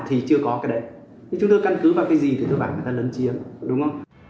thì thứ bảy người ta lấn chiếm đúng không